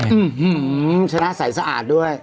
อื้อหือชนะใส่สะอาดด้วย